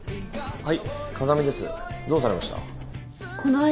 はい。